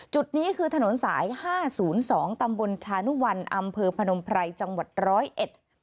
จุดนี้คือถนนสาย๕๐๒ตำบลธานวรรณอำเภอภนมไพรจังหวัด๑๐๑